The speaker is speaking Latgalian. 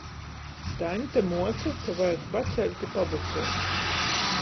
Taņte muoca, ka vajag paceļt i pabučuot.